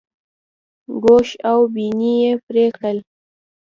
ګوش او بیني یې پرې کړل.